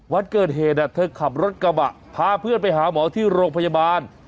วันเกิดเหตุเธอขับรถกระบะพาเพื่อนไปหาหมอที่โรงพยาบาล